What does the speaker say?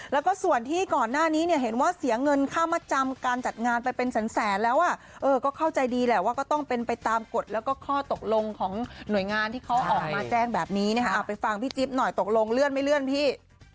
แล้วก็ส่วนที่ก่อนหน้านี้เนี่ยเห็นว่าเสียเงินค่ามาจำการจัดงานไปเป็นแสนแล้วก็เข้าใจดีแหละว่าก็ต้องเป็นไปตามกฎแล้วก็ข้อตกลงของหน่วยงานที่เขาออกมาแจ้งแบบนี้นะคะไปฟังพี่จิ๊บหน่อยตกลงเลื่อนไม่เลื่อนพี่